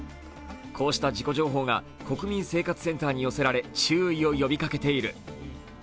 こうした事故情報が国民生活センターに寄せられ注意を呼びかけている。